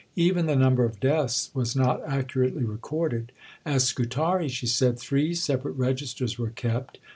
Even the number of deaths was not accurately recorded. "At Scutari," she said, "three separate registers were kept.